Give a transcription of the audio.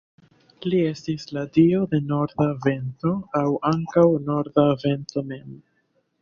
Li estis la dio de norda vento aŭ ankaŭ norda vento mem.